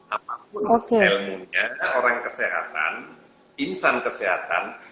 apapun ilmunya orang kesehatan insan kesehatan